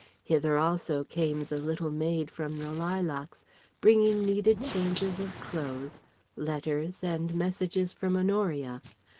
Hither also came the little maid from the Lilacs, bringing needed changes of clothes, letters, and messages from Honoria.